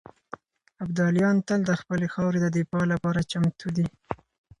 ابداليان تل د خپلې خاورې د دفاع لپاره چمتو دي.